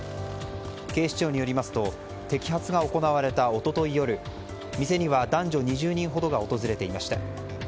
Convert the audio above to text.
警視庁によりますと摘発が行われた一昨日夜店には男女２０人ほどが訪れていました。